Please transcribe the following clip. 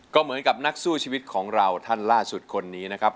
ก็เหมือนกับนักสู้ชีวิตของเราท่านล่าสุดคนนี้นะครับ